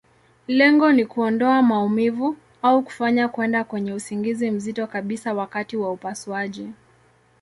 Lengo ni kuondoa maumivu, au kufanya kwenda kwenye usingizi mzito kabisa wakati wa upasuaji.